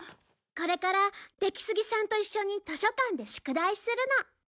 これから出木杉さんと一緒に図書館で宿題するの。